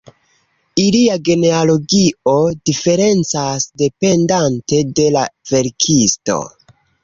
Ilia genealogio diferencas dependante de la verkisto.